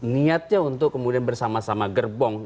niatnya untuk kemudian bersama sama gerbong